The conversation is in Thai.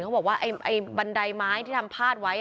เขาบอกว่าบันไดไม้ที่ทำพาดไว้